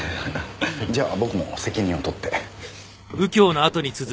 じゃあ僕も責任を取って。